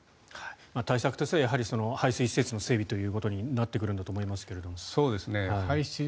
対策としては排水施設の整備ということになってくるんだと思いますが。